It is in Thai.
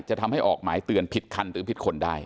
จะทำให้ออกหมายเตือนผิดคันหรือผิดคนได้